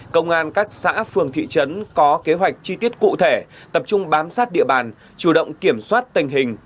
công an các xã phường thị trấn có kế hoạch chi tiết cụ thể tập trung bám sát địa bàn chủ động kiểm soát tình hình